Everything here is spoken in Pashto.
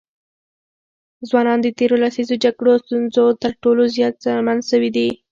ځوانان د تېرو لسیزو جګړو او ستونزو تر ټولو زیات زیانمن سوي دي.